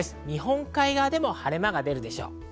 日本海側でも晴れ間が出るでしょう。